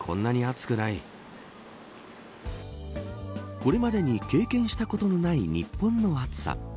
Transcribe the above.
これまでに経験したことのない日本の暑さ。